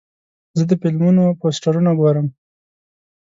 زه د فلمونو پوسټرونه ګورم.